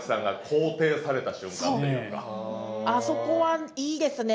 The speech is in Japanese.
あそこはいいですね。